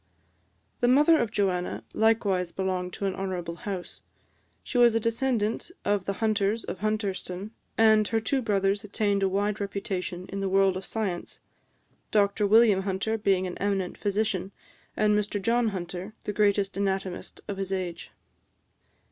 The mother of Joanna likewise belonged to an honourable house: she was a descendant of the Hunters of Hunterston; and her two brothers attained a wide reputation in the world of science Dr William Hunter being an eminent physician, and Mr John Hunter the greatest anatomist of his age.